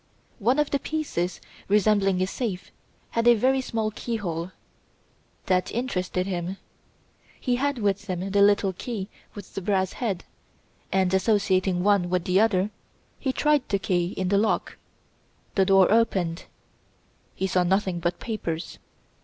One of the pieces, resembling a safe, had a very small keyhole. That interested him! He had with him the little key with the brass head, and, associating one with the other, he tried the key in the lock. The door opened. He saw nothing but papers.